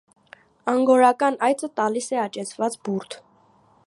Անգորական այծը տալիս է աճեցված բուրդ։